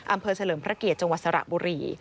อำเภอเสลิมพระเกียจังหวัดสระบุรี